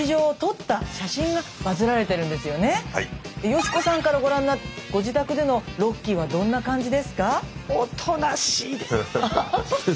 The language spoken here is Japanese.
佳子さんからご覧になったご自宅でのロッキーはどんな感じですか？